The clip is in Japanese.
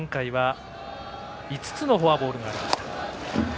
前回は、５つのフォアボールがありました。